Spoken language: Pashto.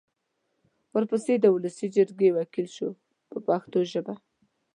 ورپسې د ولسي جرګې وکیل شو په پښتو ژبه.